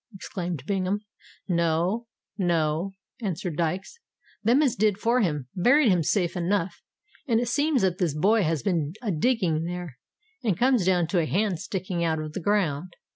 exclaimed Bingham. "No—no," answered Dykes. "Them as did for him, buried him safe enough; and it seems that this boy has been a digging there, and comes to a hand sticking out of the ground.